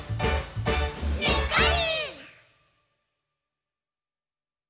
「にっこり！」